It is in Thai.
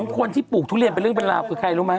คนที่ปลูกทุเรียนเป็นเรื่องเป็นราวคือใครรู้ไหม